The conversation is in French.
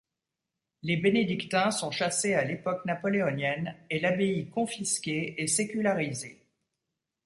Les bénédictins sont chassés à l'époque napoléonienne et l'abbaye confisquée et sécularisée.